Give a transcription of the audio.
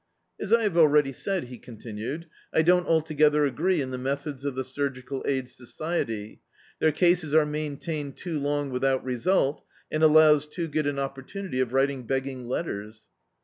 "As I have already said," he continued, "I don't altogether agree in the methods of the Surgical Aid Society; their cases are maintained too l(Hig without result, and allows too good an opportunity for writing beg g^g letters."